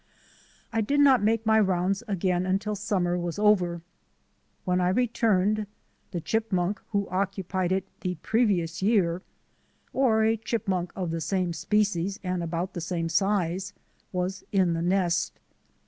I did not make my rounds again until summer was over. When I returned, the chipmunk who occupied it the previous year, or a chipmunk of the same species and about the same size, was in the nest.